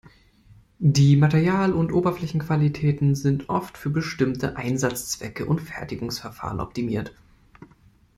Die Material- und Oberflächenqualitäten sind oft für bestimmte Einsatzzwecke und Fertigungsverfahren optimiert.